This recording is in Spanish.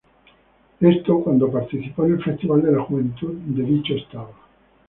Esto cuando participó en el festival de la juventud de dicho estado.